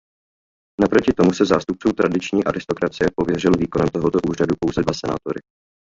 Naproti tomu ze zástupců tradiční aristokracie pověřil výkonem tohoto úřadu pouze dva senátory.